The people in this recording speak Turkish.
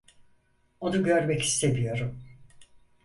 Onu görmek istemiyorum.